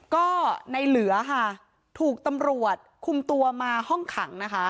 ก็ในเหลือค่ะถูกตำรวจคุมตัวมาห้องขังนะคะ